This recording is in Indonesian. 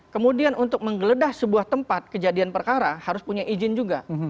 kemudian untuk menggeledah sebuah tempat kejadian perkara harus punya izin juga